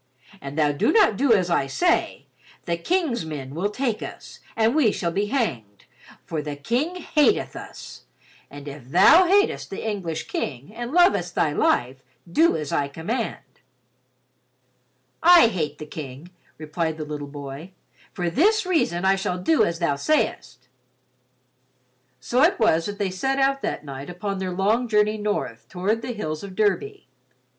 And thou do not do as I say, the King's men will take us and we shall be hanged, for the King hateth us. If thou hatest the English King and lovest thy life do as I command." "I hate the King," replied the little boy. "For this reason I shall do as thou sayest." So it was that they set out that night upon their long journey north toward the hills of Derby.